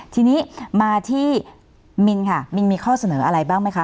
ทีนี้มาที่มินค่ะมินมีข้อเสนออะไรบ้างไหมคะ